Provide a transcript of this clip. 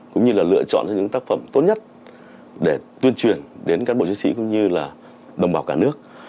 cũng như lựa chọn cho những tác phẩm tốt nhất để tuyên truyền đến các bộ chức sĩ cũng như đồng bào cả nước